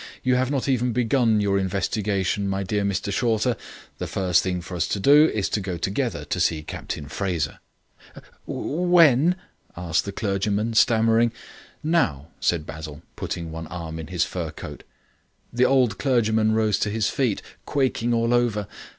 "You have not even begun your investigation, my dear Mr Shorter; the first thing for us to do is to go together to see Captain Fraser." "When?" asked the clergyman, stammering. "Now," said Basil, putting one arm in his fur coat. The old clergyman rose to his feet, quaking all over.